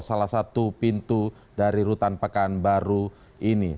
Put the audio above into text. salah satu pintu dari rutan pekanbaru ini